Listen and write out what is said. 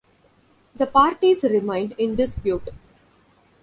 The parties remained in dispute.